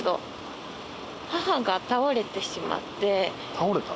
倒れた？